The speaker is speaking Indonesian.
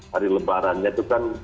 hari lebarannya itu kan